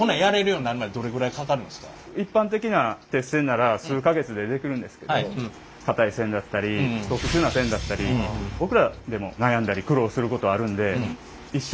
一般的な鉄線なら数か月でできるんですけど硬い線だったり特殊な線だったり僕らでも悩んだり苦労することあるんで一生勉強ですね。